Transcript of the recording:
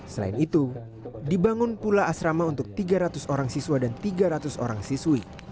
selain itu dibangun pula asrama untuk tiga ratus orang siswa dan tiga ratus orang siswi